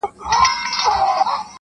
زاړه خلک چوپتيا خوښوي ډېر,